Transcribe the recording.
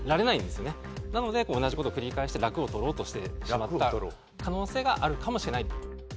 なので同じ事を繰り返してラクを取ろうとしてしまった可能性があるかもしれない。